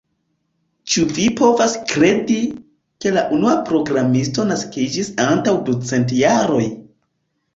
Ĉu vi povas kredi, ke la unua programisto naskiĝis antaŭ ducent jaroj?